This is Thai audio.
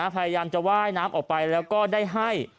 พยายามจะว่ายน้ำออกไปแล้วก็ได้ให้